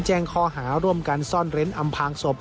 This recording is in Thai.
แจ้งข้อหาร่วมกันซ่อนเร้นอำพางศพ